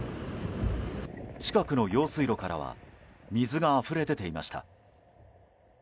近くの用水路からは水があふれ出ていました。